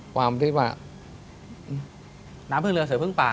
น้ำเพลิงเหลือเซอป์พึงปลา